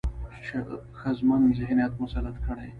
ښځمن ذهنيت مسلط کړي،